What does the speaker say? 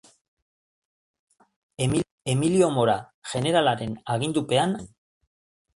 Bera, Emilio Mola jeneralaren agindupean aritu zen.